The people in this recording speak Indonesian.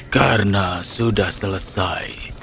karena sudah selesai